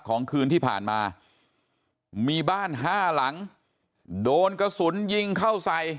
คืนที่ผ่านมามีบ้านห้าหลังโดนกระสุนยิงเข้าใส่